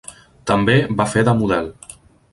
També va fer de model.